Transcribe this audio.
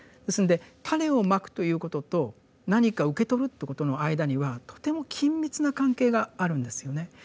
ですので種を蒔くということと何か受け取るということの間にはとても緊密な関係があるんですよね。